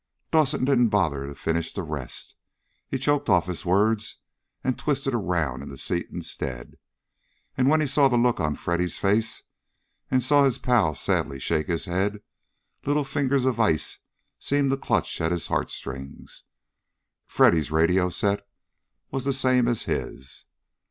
Dawson didn't bother to finish the rest. He choked off his words and twisted around in the seat instead. And when he saw the look on Freddy's face, and saw his pal sadly shake his head, little fingers of ice seemed to clutch at his heartstrings. Freddy's radio set was the same as his.